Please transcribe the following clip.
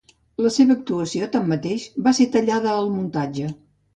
La seva actuació tanmateix va ser tallada al muntatge.